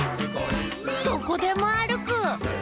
「どこでもあるく！」